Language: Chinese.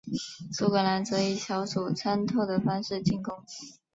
苏格兰则以小组渗透的方式进攻。